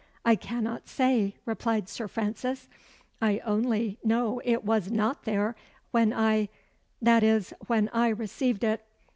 "I cannot say," replied Sir Francis. "I only know it was not there when I that is, when I received it.